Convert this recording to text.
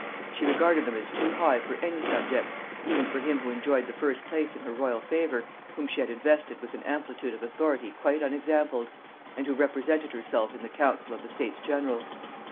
She regarded them as too high for any subject, even for him who enjoyed the first place in her royal favor, whom she had invested with an amplitude of authority quite unexampled, and who represented herself in the council of the States general.